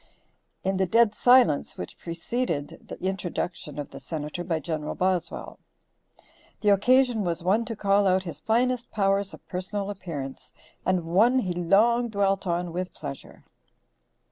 in the dead silence which preceded the introduction of the Senator by Gen. Boswell. The occasion was one to call out his finest powers of personal appearance, and one he long dwelt on with pleasure.